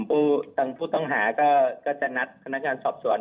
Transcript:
เพราะทางกลุ่มผู้ทั้งหาก็จะนัดพนักงานสอบสวน